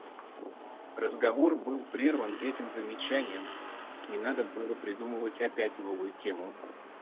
Разговор был прерван этим замечанием, и надо было придумывать опять новую тему.